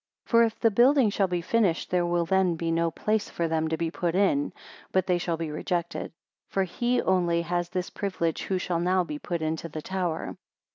For if the building shall be finished there will then be no place for them to be put in, but they shall be rejected; for he only has this privilege who shall now be put into the tower.